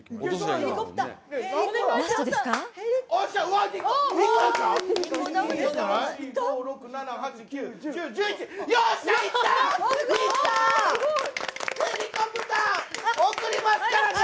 ヘリコプター、送りますからね！